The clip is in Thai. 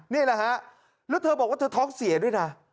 นี่แหละฮะแล้วเธอบอกว่าเธอท้องเสียด้วยนะ